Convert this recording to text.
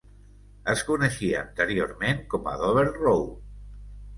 Es coneixia anteriorment com a Dover Road.